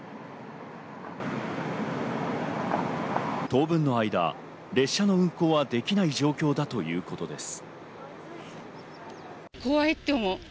当分の間、列車の運行はできない状況だということです。